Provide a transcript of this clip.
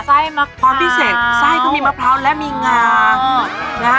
ไส้มะพร้าวความพิเศษไส้ก็มีมะพร้าวและมีงา